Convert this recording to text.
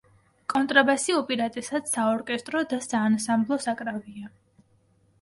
კონტრაბასი უპირატესად საორკესტრო და საანსამბლო საკრავია.